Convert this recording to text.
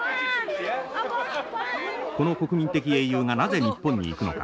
この国民的英雄がなぜ日本に行くのか。